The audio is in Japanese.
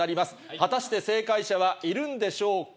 果たして正解者はいるんでしょうか？